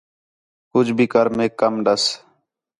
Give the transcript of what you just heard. کُجھ بھی کر میک کَم ݙَس